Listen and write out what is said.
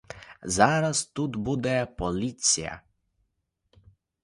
Зараз тут буде поліція.